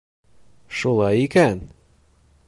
Шулай икән!